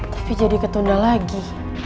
tapi jadi ketunda lagi